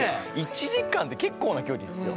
１時間って結構な距離ですよ？